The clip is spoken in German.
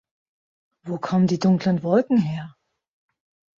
Wo kommen die dunklen Wolken her?